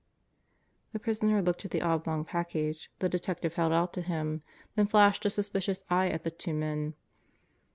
The prisoner looked at the oblong package the detective held out to him, then flashed a suspicious eye at the two men.